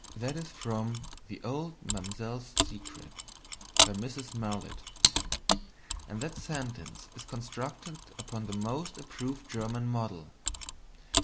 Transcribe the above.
That is from THE OLD MAMSELLE'S SECRET, by Mrs. Marlitt. And that sentence is constructed upon the most approved German model.